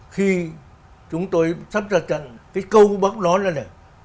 khi chúng tôi sắp ra trận cái câu bác nói là này